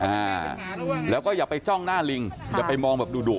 อ่าแล้วก็อย่าไปจ้องหน้าลิงอย่าไปมองแบบดุดุ